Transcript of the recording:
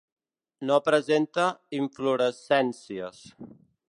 No presenta inflorescències.